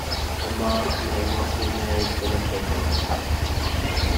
A mark may not be made from a kick-off.